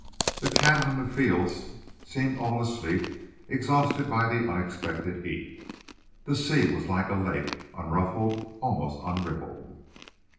The cattle in the fields seemed all asleep, exhausted by the unexpected heat. The sea was like a lake, unruffled, almost unrippled.